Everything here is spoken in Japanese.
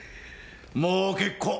もう結構。